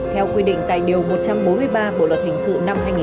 theo quy định tại điều một trăm bốn mươi ba bộ luật hình sự năm hai nghìn một mươi năm